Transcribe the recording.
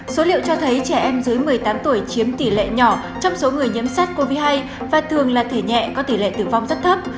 số liệu cho thấy trẻ em dưới một mươi tám tuổi chiếm tỷ lệ nhỏ trong số người nhiễm sars cov hai và thường là thể nhẹ có tỷ lệ tử vong rất thấp